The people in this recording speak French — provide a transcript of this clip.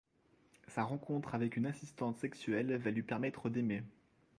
Sa rencontre avec une assistante sexuelle va lui permettre d'aimer.